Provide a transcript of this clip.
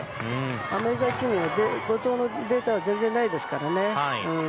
アメリカチームには後藤のデータは全然ないですからね。